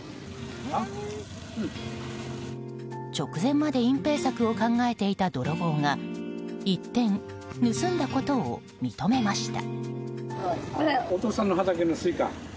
直前まで隠ぺい策を考えていた泥棒が一転、盗んだことを認めました。